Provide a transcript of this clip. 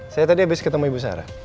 saya tadi habis ketemu ibu sarah